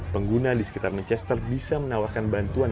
pengguna di sekitar manchester bisa menawarkan bantuan